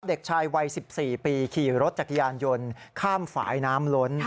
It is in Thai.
เด็กชายวัย๑๔ปีขี่รถจักรยานยนต์ข้ามฝ่ายน้ำล้น